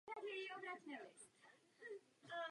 Nachází se na východě Hrobu.